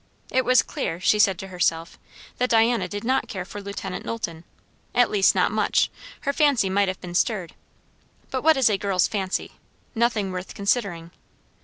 It was clear, she said to herself, that Diana did not care for Lieut. Knowlton; at least not much; her fancy might have been stirred. But what is a girl's fancy? Nothing worth considering.